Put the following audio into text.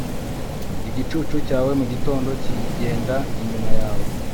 Igicucu cyawe mugitondo kigenda inyuma yawe